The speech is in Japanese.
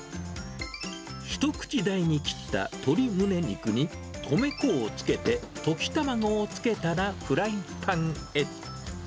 １口大に切った鶏むね肉に、米粉をつけて溶き卵をつけたらフライパンへ。